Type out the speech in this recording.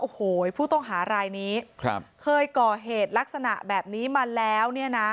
โอ้โหผู้ต้องหารายนี้เคยก่อเหตุลักษณะแบบนี้มาแล้วเนี่ยนะ